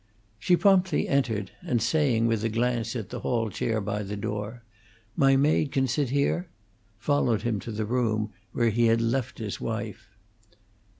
She promptly entered, and saying, with a glance at the hall chair by the door, "My maid can sit here?" followed him to the room where he had left his wife.